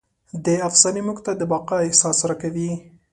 دا افسانې موږ ته د بقا احساس راکوي.